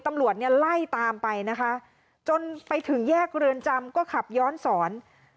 ตำรวจเนี่ยไล่ตามไปนะคะจนไปถึงแยกเรือนจำก็ขับย้อนสอน